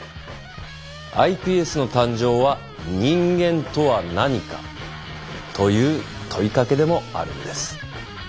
ｉＰＳの誕生は人間とは何かという問いかけでもあるんです。